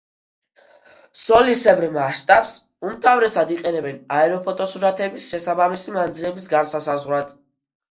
სოლისებრ მასშტაბს უმთავრესად იყენებენ აეროფოტოსურათების შესაბამისი მანძილების განსასაზღვრავად.